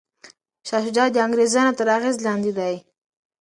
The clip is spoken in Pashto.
شاه شجاع د انګریزانو تر اغیز لاندې دی.